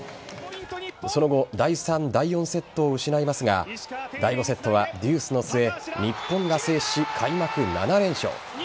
その後第３・第４セットを失いますが第５セットはデュースの末日本が制し、開幕７連勝。